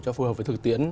cho phù hợp với thực tiễn